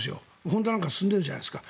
ホンダなんかやってるじゃないですか。